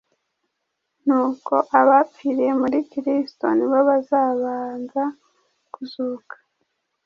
nuko abapfiriye muri Kristo ni bo bazabanza kuzuka.